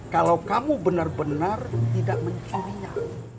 kalau kamu benar benar tidak mencurinya